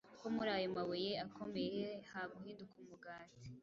Ko muri ayo mabuye akomeye haguhinduka umugati